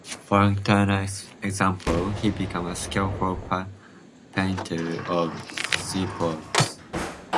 Following Turner's example, he became a skillful painter of seaports.